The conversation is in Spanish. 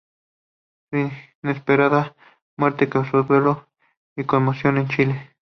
Su inesperada muerte causó duelo y conmoción en Chile.